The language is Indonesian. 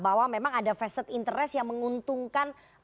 bahwa memang ada facet interest yang menguntungkan